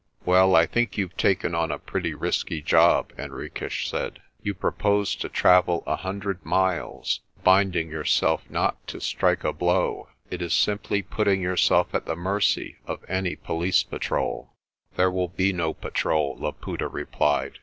"Well, I think you've taken on a pretty risky job," Hen riques said. "You propose to travel a hundred miles, bind ing yourself not to strike a blow. It is simply putting your self at the mercy of any police patrol." "There will be no patrol," Laputa replied.